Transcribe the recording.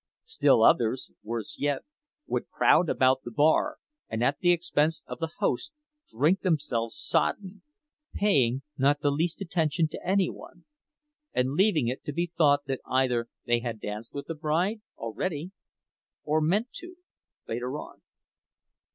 Still others, worse yet, would crowd about the bar, and at the expense of the host drink themselves sodden, paying not the least attention to any one, and leaving it to be thought that either they had danced with the bride already, or meant to later on.